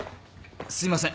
すいません。